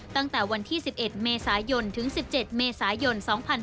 ตั้งแต่วันที่๑๑เมษายนถึง๑๗เมษายน๒๕๕๙